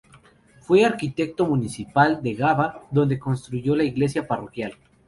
Fue arquitecto municipal de Gavá, donde construyó la iglesia parroquial.